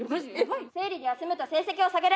生理で休むと成績を下げられる。